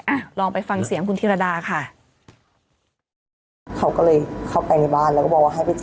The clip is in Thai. อ่ะลองไปฟังเสียงคุณธิรดาค่ะ